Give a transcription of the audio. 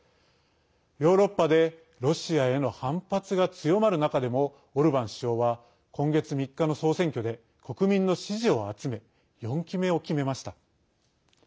ヨーロッパでロシアへの反発が強まる中でもオルバン首相は今月３日の総選挙で国民の支持を集め４期目を決めました。